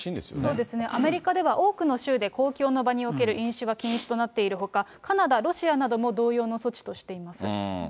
そうですね、アメリカでは多くの州で公共の場における飲酒は禁止となっているほか、カナダ、ロシアなども同様の措置としています。